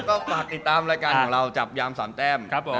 ก็ฝากติดตามรายการของเราจับยาม๓แต้มครับผม